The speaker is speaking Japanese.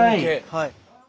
はい。